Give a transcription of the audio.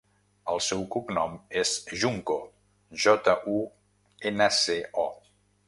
El seu cognom és Junco: jota, u, ena, ce, o.